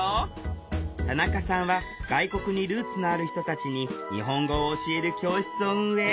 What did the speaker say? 田中さんは外国にルーツのある人たちに日本語を教える教室を運営。